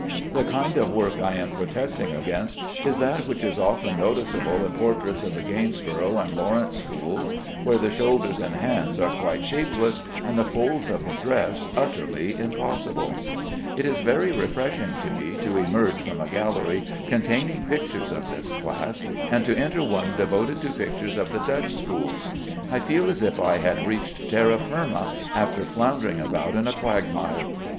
The kind of work I am protesting against is that which is often noticeable in portraits of the Gainsborough and Lawrence schools, where the shoulders and hands are quite shapeless, and the folds of the dress utterly impossible. It is very refreshing to me to emerge from a gallery containing pictures of this class, and to enter one devoted to pictures of the Dutch school. I feel as if I had reached terra firma after floundering about in a quagmire.